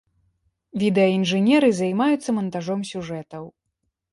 Відэаінжынеры займаюцца мантажом сюжэтаў.